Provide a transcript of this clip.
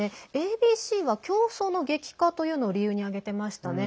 ＡＢＣは競争の激化というのを理由に挙げてましたね。